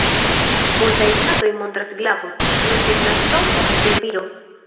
Multaj platoj montras glavon, kiu signas tombon de viro.